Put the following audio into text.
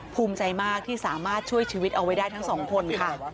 ภูมิใจมากที่สามารถช่วยชีวิตเอาไว้ได้ทั้งสองคนค่ะ